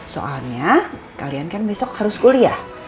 soalnya kalian kan besok harus kuliah